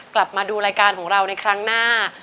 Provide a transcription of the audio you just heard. กลับมาดูรายการของเราในครั้งหน้า